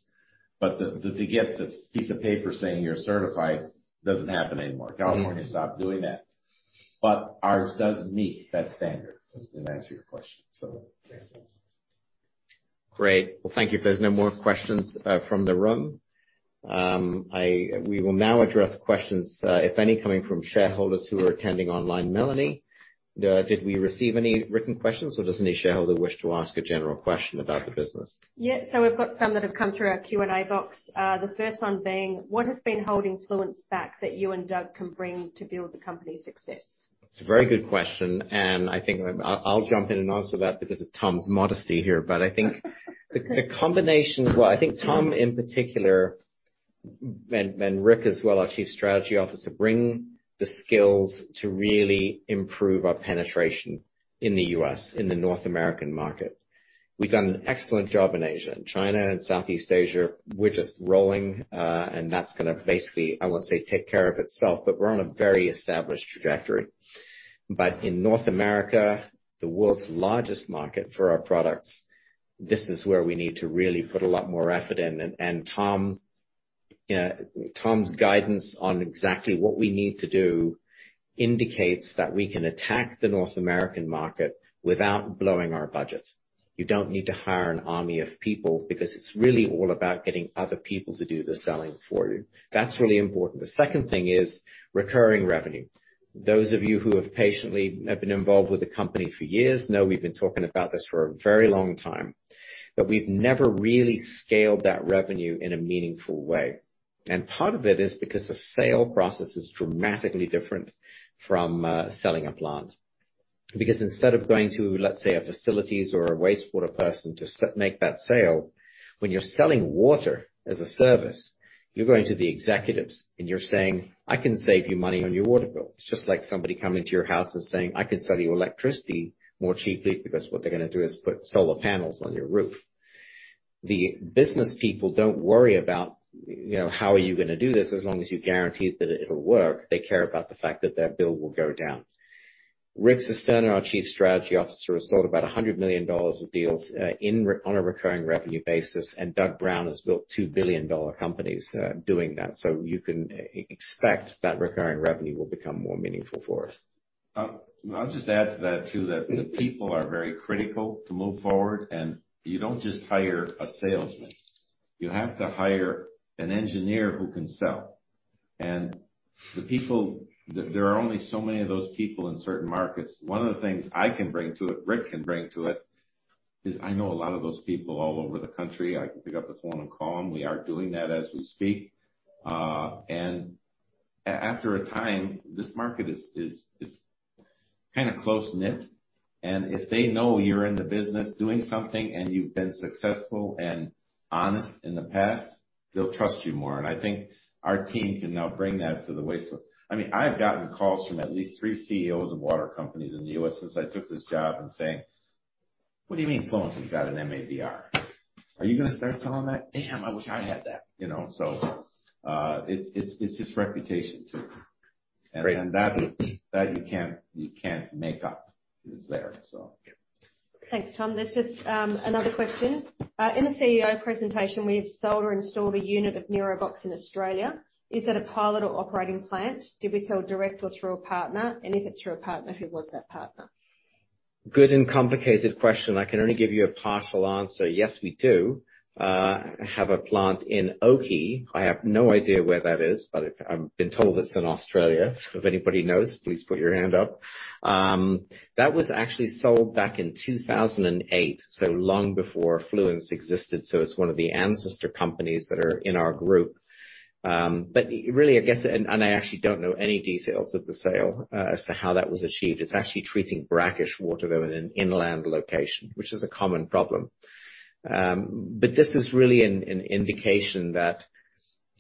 To get the piece of paper saying you're certified doesn't happen anymore. California stopped doing that. Ours does meet that standard, to answer your question. Yes. Great. Well, thank you. If there's no more questions, from the room, we will now address questions, if any, coming from shareholders who are attending online. Melanie, did we receive any written questions, or does any shareholder wish to ask a general question about the business? Yeah. We've got some that have come through our Q&A box. The first one being, "What has been holding Fluence back that you and Doug can bring to build the company's success? It's a very good question, and I think I'll jump in and answer that because of Tom's modesty here. I think Tom, in particular, and Rick as well, our Chief Strategy Officer, bring the skills to really improve our penetration in the U.S., in the North American market. We've done an excellent job in Asia. In China and Southeast Asia, we're just rolling, and that's gonna basically, I won't say take care of itself, but we're on a very established trajectory. In North America, the world's largest market for our products, this is where we need to really put a lot more effort in. Tom's guidance on exactly what we need to do indicates that we can attack the North American market without blowing our budget. You don't need to hire an army of people because it's really all about getting other people to do the selling for you. That's really important. The second thing is recurring revenue. Those of you who have patiently have been involved with the company for years know we've been talking about this for a very long time. We've never really scaled that revenue in a meaningful way. Part of it is because the sale process is dramatically different from selling a plant. Instead of going to, let's say, a facilities or a wastewater person to make that sale, when you're selling water as a service, you're going to the executives and you're saying, "I can save you money on your water bill." It's just like somebody coming to your house and saying, "I can sell you electricity more cheaply," because what they're gonna do is put solar panels on your roof. The business people don't worry about, you know, how are you gonna do this, as long as you guarantee that it'll work. They care about the fact that their bill will go down. Rick Cisterna, our Chief Strategy Officer, has sold about $100 million of deals on a recurring revenue basis, and Doug Brown has built two billion-dollar companies doing that. You can expect that recurring revenue will become more meaningful for us. I'll just add to that too, that the people are very critical to move forward. You don't just hire a salesman. You have to hire an engineer who can sell. The people, there are only so many of those people in certain markets. One of the things I can bring to it, Rick can bring to it, is I know a lot of those people all over the country. I can pick up the phone and call them. We are doing that as we speak. After a time, this market is kinda close-knit, and if they know you're in the business doing something, and you've been successful and honest in the past, they'll trust you more. I think our team can now bring that to the wastewater. I mean, I've gotten calls from at least three CEOs of water companies in the U.S. since I took this job and saying, "What do you mean Fluence has got an MABR? Are you gonna start selling that? Damn, I wish I had that." You know, it's just reputation too. Great. That you can't make up. It's there, so. Yeah. Thanks, Tom. There's just another question. In the CEO presentation, we have sold or installed a unit of NIROBOX in Australia. Is that a pilot or operating plant? Did we sell direct or through a partner? If it's through a partner, who was that partner? Good and complicated question. I can only give you a partial answer. Yes, we do have a plant in Oakey. I have no idea where that is, but I've been told it's in Australia. So if anybody knows, please put your hand up. That was actually sold back in 2008, so long before Fluence existed, so it's one of the ancestor companies that are in our group. But really I guess I actually don't know any details of the sale as to how that was achieved. It's actually treating brackish water though in an inland location, which is a common problem. But this is really an indication that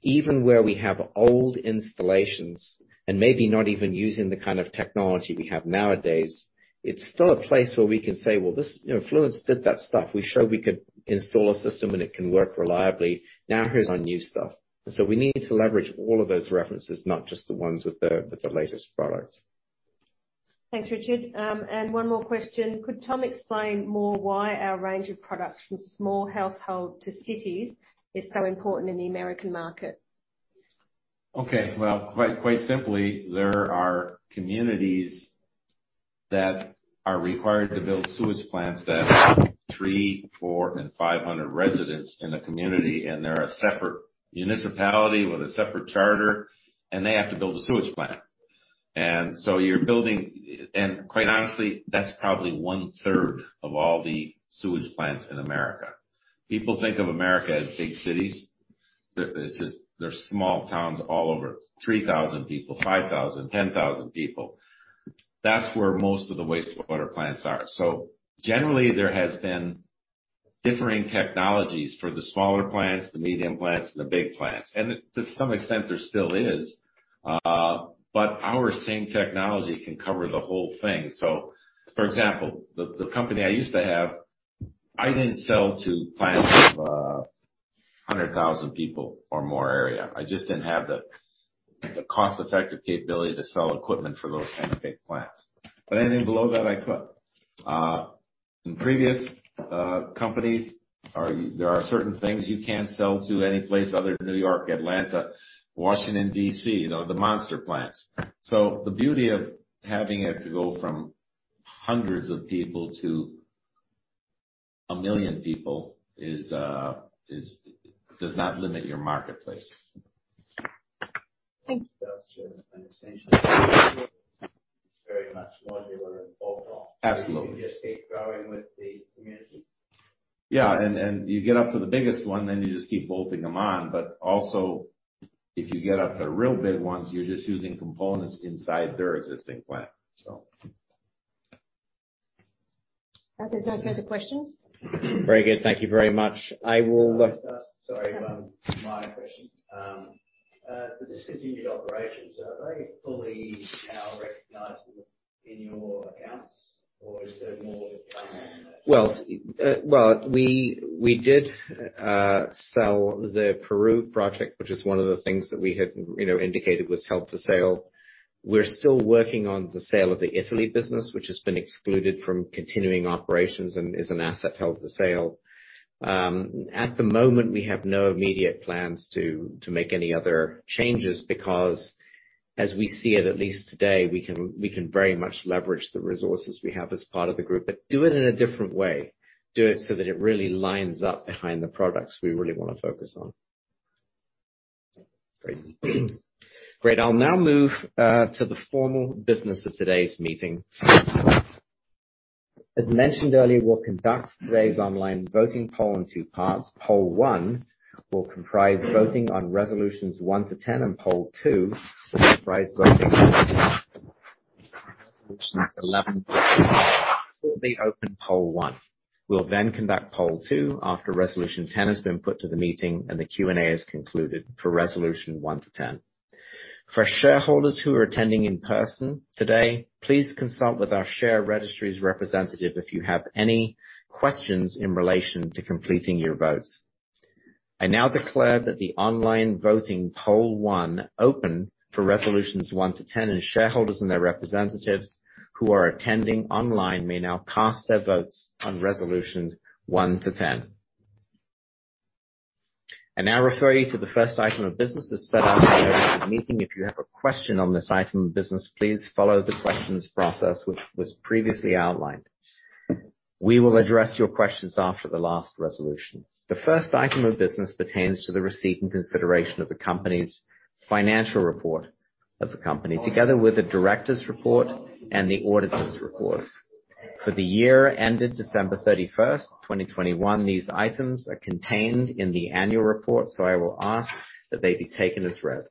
even where we have old installations, and maybe not even using the kind of technology we have nowadays. It's still a place where we can say, "Well, this, you know, Fluence did that stuff. We showed we could install a system, and it can work reliably. Now, here's our new stuff." We need to leverage all of those references, not just the ones with the latest products. Thanks, Richard. One more question. Could Tom explain more why our range of products from small household to cities is so important in the American market? Okay. Well, quite simply, there are communities that are required to build sewage plants for 300, 400 and 500 residents in the community, and they're a separate municipality with a separate charter, and they have to build a sewage plant. You're building. Quite honestly, that's probably 1/3 of all the sewage plants in America. People think of America as big cities. There's just small towns all over, 3,000 people, 5,000, 10,000 people. That's where most of the wastewater plants are. Generally, there has been differing technologies for the smaller plants, the medium plants and the big plants. To some extent there still is. But our same technology can cover the whole thing. For example, the company I used to have, I didn't sell plants to 100,000 people or more area. I just didn't have the cost-effective capability to sell equipment for those kind of big plants. Anything below that I could. In previous companies there are certain things you can't sell to any place other than New York, Atlanta, Washington, D.C., you know, the monster plants. The beauty of having it to go from hundreds of people to a million people is does not limit your marketplace. Thanks. That's just an extension. It's very much modular and bolt-on. Absolutely. You can just keep growing with the communities. You get up to the biggest one, then you just keep bolting them on. Also if you get up to real big ones, you're just using components inside their existing plant, so. Okay. There's no further questions. Very good. Thank you very much. Can I just ask? Sorry, one minor question. The discontinued operations, are they fully now recognized in your accounts or is there more to come on that? Well, we did sell the Peru project, which is one of the things that we had, you know, indicated was held for sale. We're still working on the sale of the Italy business, which has been excluded from continuing operations and is an asset held for sale. At the moment, we have no immediate plans to make any other changes because as we see it, at least today, we can very much leverage the resources we have as part of the group, but do it in a different way. Do it so that it really lines up behind the products we really wanna focus on. Great. I'll now move to the formal business of today's meeting. As mentioned earlier, we'll conduct today's online voting poll in two parts. Poll 1 will comprise voting on Resolutions 1 to 10, and poll 2 will comprise voting Resolutions 11 to 20. We'll shortly open poll 1. We'll then conduct poll 2 after Resolution 10 has been put to the meeting, and the Q&A has concluded for Resolution 1 to 10. For shareholders who are attending in person today, please consult with our share registry's representative if you have any questions in relation to completing your votes. I now declare that the online voting poll 1 open for Resolutions 1 to 10, and shareholders and their representatives who are attending online may now cast their votes on Resolutions 1 to 10. I now refer you to the first item of business as set out in the meeting. If you have a question on this item of business, please follow the questions process which was previously outlined. We will address your questions after the last Resolution. The first item of business pertains to the receipt and consideration of the company's financial report of the company, together with the director's report and the auditor's report. For the year ended December 31st, 2021, these items are contained in the annual report, so I will ask that they be taken as read.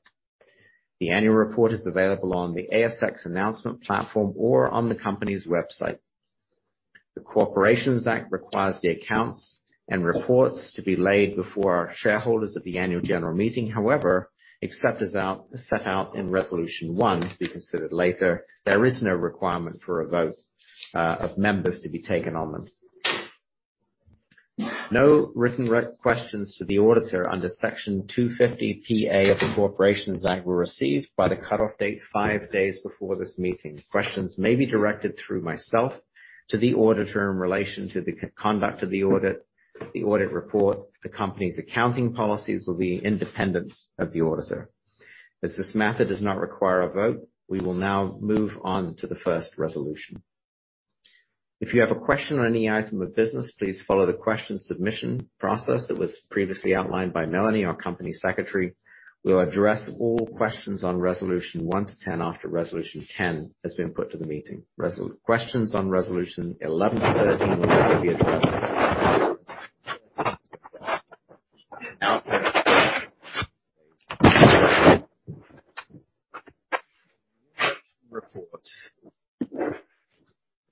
The annual report is available on the ASX announcement platform or on the company's website. The Corporations Act requires the accounts and reports to be laid before our shareholders at the annual general meeting. However, except as set out in Resolution 1, to be considered later, there is no requirement for a vote of members to be taken on them. No written questions to the auditor under Section 250PA of the Corporations Act were received by the cutoff date, five days before this meeting. Questions may be directed through myself to the auditor in relation to the conduct of the audit, the audit report, the company's accounting policies or the independence of the auditor. As this matter does not require a vote, we will now move on to the first resolution. If you have a question on any item of business, please follow the question submission process that was previously outlined by Melanie, our Company Secretary. We'll address all questions on Resolution 1 to 10 after Resolution 10 has been put to the meeting. Questions on Resolution 11 to 13 will be addressed. Now, the report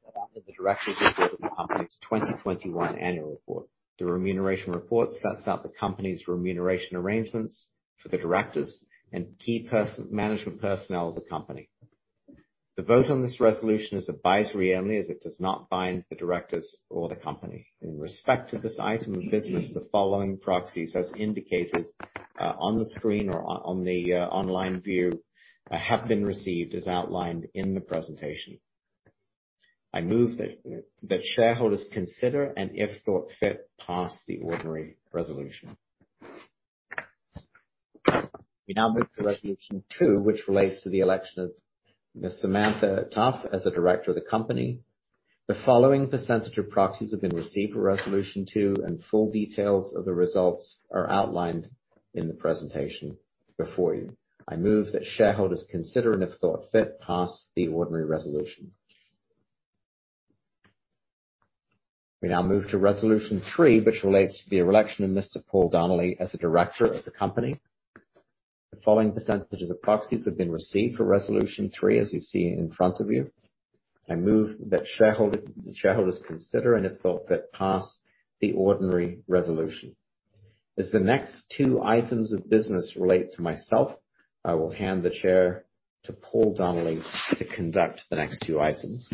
set out in the Directors' Report of the Company's 2021 Annual Report. The remuneration report sets out the company's remuneration arrangements for the directors and key management personnel of the company. The vote on this resolution is advisory only, as it does not bind the directors or the company. In respect to this item of business, the following proxies, as indicated, on the screen or on the online view, have been received as outlined in the presentation. I move that shareholders consider, and if thought fit, pass the ordinary resolution. We now move to Resolution 2, which relates to the election of Ms. Samantha Tough as a Director of the company. The following percentage of proxies have been received for Resolution 2, and full details of the results are outlined in the presentation before you. I move that shareholders consider, and if thought fit, pass the ordinary resolution. We now move to Resolution 3, which relates to the re-election of Mr. Paul Donnelly as a Director of the company. The following percentages of proxies have been received for Resolution 3, as you see in front of you. I move that the shareholders consider, and if thought fit, pass the ordinary resolution. As the next two items of business relate to myself, I will hand the Chair to Paul Donnelly to conduct the next two items.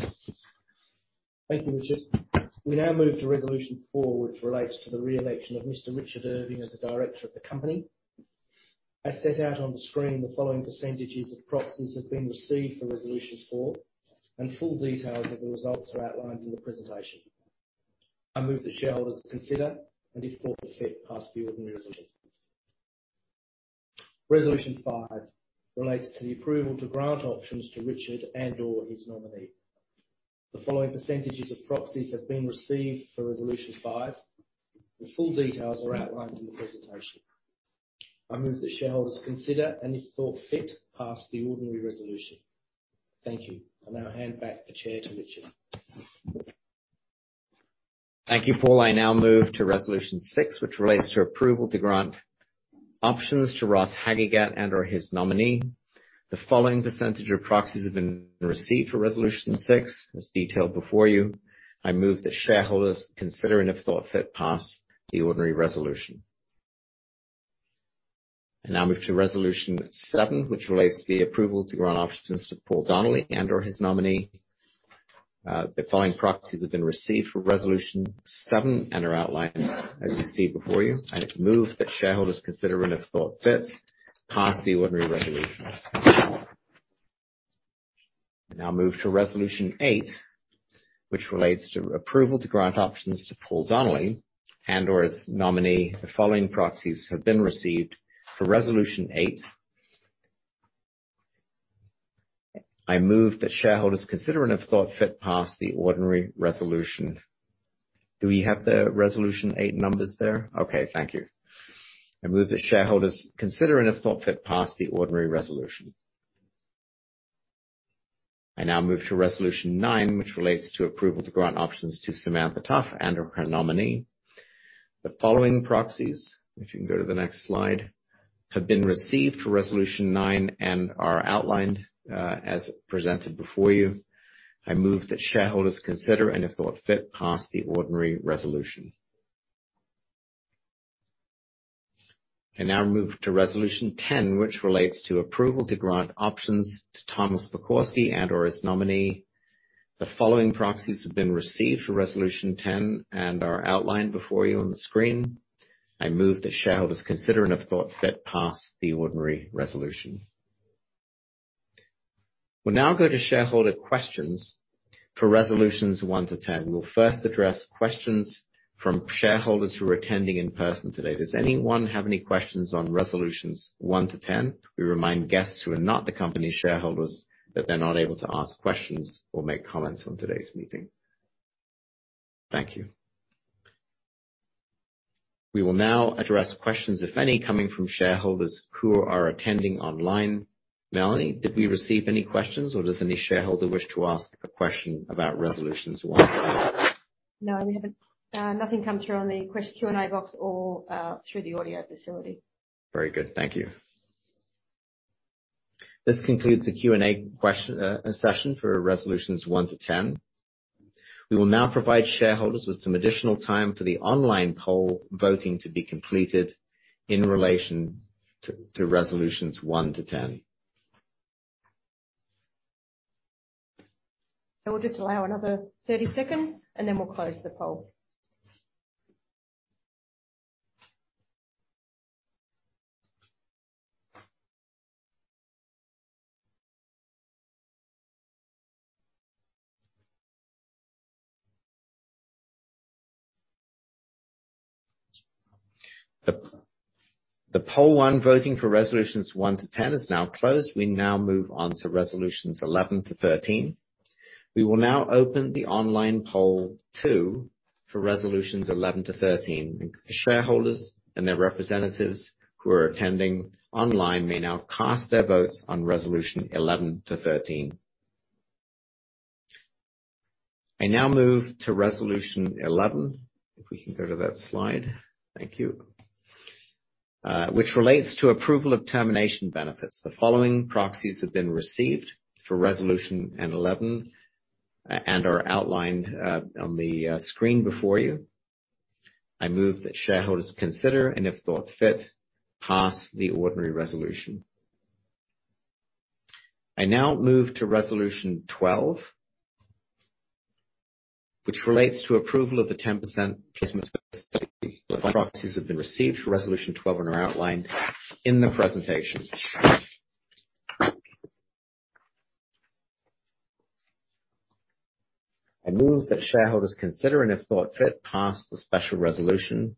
Thank you, Richard. We now move to resolution four, which relates to the re-election of Mr. Richard Irving as a Director of the company. As set out on the screen, the following percentages of proxies have been received for resolution four, and full details of the results are outlined in the presentation. I move that shareholders consider, and if thought fit, pass the ordinary resolution. Resolution 5 relates to the approval to grant options to Richard and/or his nominee. The following percentages of proxies have been received for resolution five. The full details are outlined in the presentation. I move that shareholders consider, and if thought fit, pass the ordinary resolution. Thank you. I'll now hand back the chair to Richard. Thank you, Paul. I now move to Resolution 6, which relates to approval to grant options to Ross Haghighat and/or his nominee. The following percentage of proxies have been received for Resolution 6, as detailed before you. I move that shareholders consider, and if thought fit, pass the ordinary resolution. I now move to Resolution 7, which relates to the approval to grant options to Paul Donnelly and/or his nominee. The following proxies have been received for resolution 7 and are outlined as you see before you. I move that shareholders consider, and if thought fit, pass the ordinary resolution. I now move to Resolution 8, which relates to approval to grant options to Paul Donnelly and/or his nominee. The following proxies have been received for Resolution 8. I move that shareholders consider, and if thought fit, pass the ordinary resolution. Do we have the Resolution 8 numbers there? Okay, thank you. I move that shareholders consider, and if thought fit, pass the ordinary resolution. I now move to Resolution 9, which relates to approval to grant options to Samantha Tough and/or her nominee. The following proxies, if you can go to the next slide, have been received for Resolution 9 and are outlined as presented before you. I move that shareholders consider, and if thought fit, pass the ordinary resolution. I now move to Resolution 10, which relates to approval to grant options to Tom Pokorsky and/or his nominee. The following proxies have been received for Resolution 10 and are outlined before you on the screen. I move that shareholders consider, and if thought fit, pass the ordinary resolution. We'll now go to shareholder questions for Resolutions 1 to 10. We'll first address questions from shareholders who are attending in person today. Does anyone have any questions on Resolutions 1 to 10? We remind guests who are not the company shareholders that they're not able to ask questions or make comments on today's meeting. Thank you. We will now address questions, if any, coming from shareholders who are attending online. Melanie, did we receive any questions, or does any shareholder wish to ask a question about Resolutions 1 to 10? No, we haven't. Nothing come through on the Q&A box or through the audio facility. Very good. Thank you. This concludes the Q&A session for Resolutions 1 to 10. We will now provide shareholders with some additional time for the online poll voting to be completed in relation to Resolutions 1 to 10. We'll just allow another 30-seconds, and then we'll close the poll. The poll 1 voting for Resolutions 1 to 10 is now closed. We now move on to Resolutions 11 to 13. We will now open the online poll 2 for Resolutions 11 to 13. Shareholders and their representatives who are attending online may now cast their votes on Resolution 11 to 13. I now move to Resolution 11. If we can go to that slide. Thank you. Which relates to approval of termination benefits. The following proxies have been received for Resolution 11 and are outlined on the screen before you. I move that shareholders consider, and if thought fit, pass the ordinary resolution. I now move to Resolution 12, which relates to approval of the 10% placement. Proxies have been received for Resolution 12 and are outlined in the presentation. I move that shareholders consider, and if thought fit, pass the special resolution.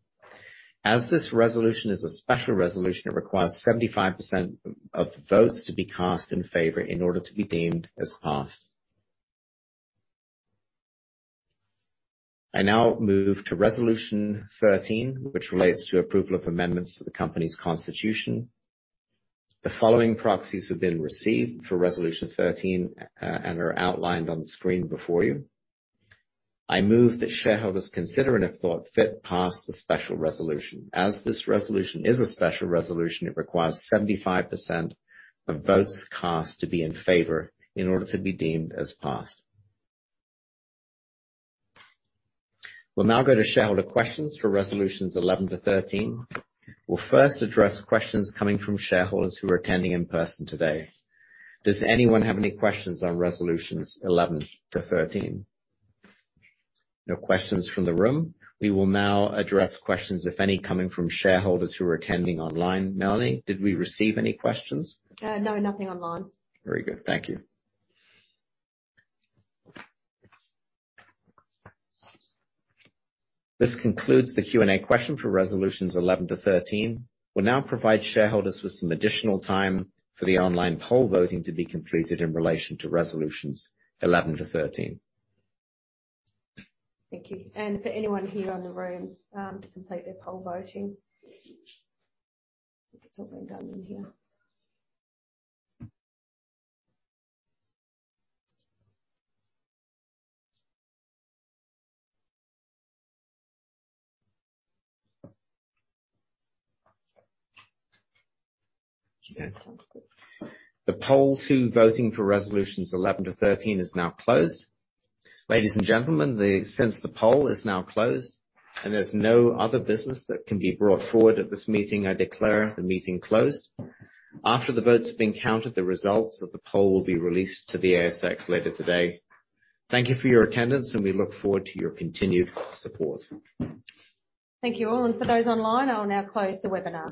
This resolution is a special resolution. It requires 75% of votes to be cast in favor in order to be deemed as passed. I now move to Resolution 13, which relates to approval of amendments to the company's constitution. The following proxies have been received for Resolution 13 and are outlined on the screen before you. I move that shareholders consider, and if thought fit, pass the special resolution. This resolution is a special resolution. It requires 75% of votes cast to be in favor in order to be deemed as passed. We'll now go to shareholder questions for Resolutions 11 to 13. We'll first address questions coming from shareholders who are attending in person today. Does anyone have any questions on Resolutions 11 to 13? No questions from the room. We will now address questions, if any, coming from shareholders who are attending online. Melanie, did we receive any questions? No, nothing online. Very good. Thank you. This concludes the Q&A question for Resolutions 11 to 13. We'll now provide shareholders with some additional time for the online poll voting to be completed in relation to Resolutions 11 to 13. Thank you. For anyone here in the room to complete their poll voting. It's all being done in here. The poll for voting for Resolutions 11 to 13 is now closed. Ladies and gentlemen, since the poll is now closed and there's no other business that can be brought forward at this meeting, I declare the meeting closed. After the votes have been counted, the results of the poll will be released to the ASX later today. Thank you for your attendance, and we look forward to your continued support. Thank you all. For those online, I will now close the webinar.